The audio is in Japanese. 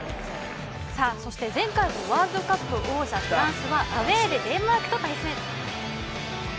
前回のワールドカップ王者フランスはアウェーでデンマークと対戦。